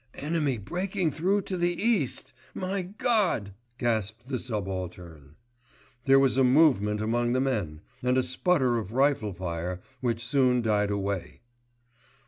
"Enemy breaking through to the East. My God!" gasped the subaltern. There was a movement among the men, and a splutter of rifle fire which soon died away.